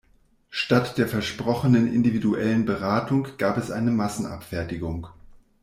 Statt der versprochenen individuellen Beratung gab es eine Massenabfertigung.